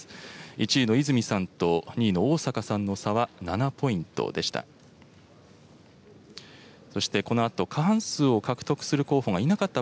１位の泉さんと２位の逢坂さんの差は７ポイントでした。